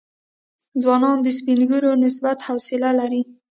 ځوانان د سپین ږیرو نسبت حوصله لري.